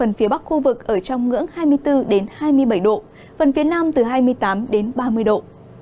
phần phía bắc khu vực ở trong ngưỡng hai mươi bốn hai mươi bảy độ phần phía nam từ hai mươi tám đến ba mươi độ